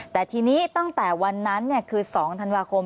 แต่ทีนี้ตั้งแต่วันนั้นคือ๒ธันวาคม